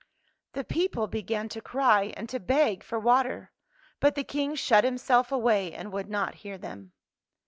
" The people began to cry and to beg for water. But the King shut himself away and would not hear them.